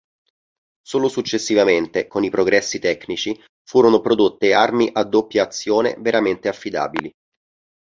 Solo successivamente, con i progressi tecnici, furono prodotte armi "a doppia azione" veramente affidabili.